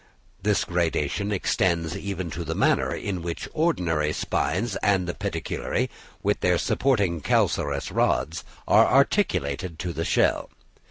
The gradation extends even to the manner in which ordinary spines and the pedicellariæ, with their supporting calcareous rods, are articulated to the shell.